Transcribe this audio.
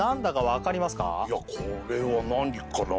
これいやこれは何かな